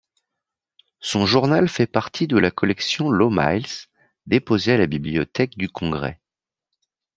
Son journal fait partie de la collection Low-Mills, déposée à la Bibliothèque du Congrès.